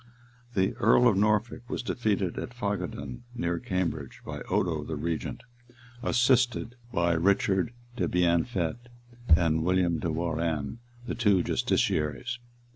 The earl of Norfolk was defeated at Fagadun, near Cambridge, by Odo the regent, assisted by Richard de Bienfaite and William de Warrenne, the two justiciaries.